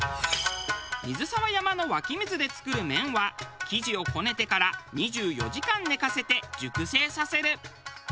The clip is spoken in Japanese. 水沢山の湧き水で作る麺は生地をこねてから２４時間寝かせて熟成させる。